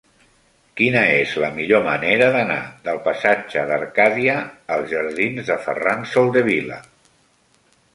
Quina és la millor manera d'anar del passatge d'Arcadia als jardins de Ferran Soldevila?